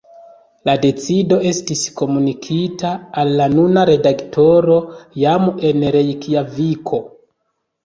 La decido estis komunikita al la nuna redaktoro jam en Rejkjaviko.